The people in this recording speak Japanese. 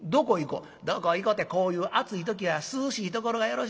「どこ行こてこういう暑い時は涼しいところがよろしいねん。